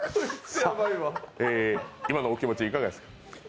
さっ、今のお気持ちいかがですか？